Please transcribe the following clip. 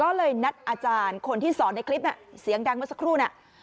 ก็เลยนัดอาจารย์คนที่สอนในคลิปน่ะเสียงดังเมื่อสักครู่น่ะ